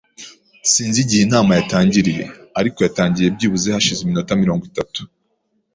Sinzi igihe inama yatangiriye, ariko yatangiye byibuze hashize iminota mirongo itatu.